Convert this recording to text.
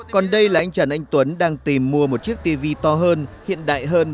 còn đây là anh trần anh tuấn đang tìm mua một chiếc tv to hơn hiện đại hơn